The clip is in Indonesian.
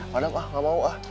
madam ah enggak mau ah